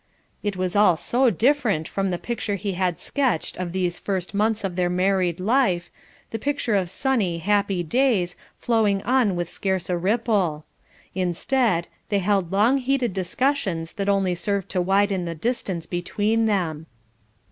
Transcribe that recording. It was all so different from the picture he had sketched of these first months of their married life, the picture of sunny, happy days, flowing on with scarce a ripple. Instead, they held long heated discussions that only served to widen the distance between them.